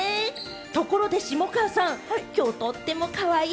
ところで下川さん、きょうとってもかわいい。